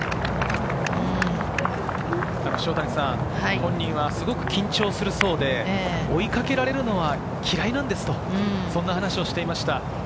本人はすごく緊張するそうで、追いかけられるのは嫌いなんですと話していました。